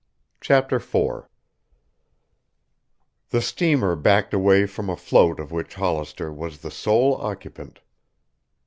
CHAPTER IV The steamer backed away from a float of which Hollister was the sole occupant.